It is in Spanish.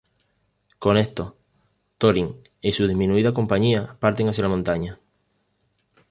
Con esto, Thorin y su disminuida compañía parten hacia la Montaña.